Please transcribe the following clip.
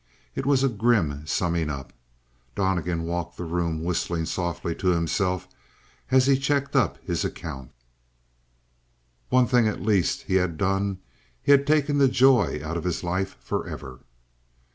It was a grim summing up. Donnegan walked the room whistling softly to himself as he checked up his accounts. One thing at least he had done; he had taken the joy out of his life forever.